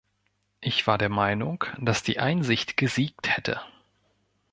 Ich war der Meinung, dass die Einsicht gesiegt hätte!